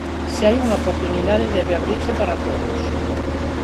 Se hai unha oportunidade debe abrirse para todos.